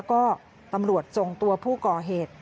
ก็ตำรวจส่งตัวผู้ก่อเหตุ